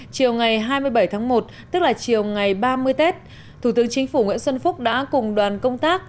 chiều ngày hai mươi bảy tháng một tức là chiều ngày ba mươi tết thủ tướng chính phủ nguyễn xuân phúc đã cùng đoàn công tác